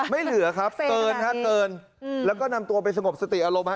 ไม่เหลือครับเกินฮะเกินแล้วก็นำตัวไปสงบสติอารมณ์ฮะ